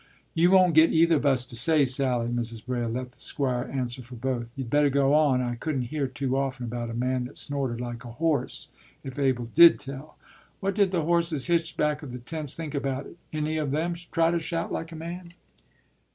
“You won't get either of us to say, Sally,” Mrs. Braile let the Squire answer for both. “You'd better go on. I couldn't hear too often about a man that snorted like a horse, if Abel did tell. What did the horses hitched back of the tents think about it? Any of 'em try to shout like a man?